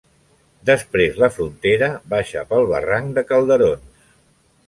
Després la frontera baixa pel Barranc de Calderons.